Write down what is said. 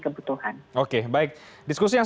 kebutuhan oke baik diskusi yang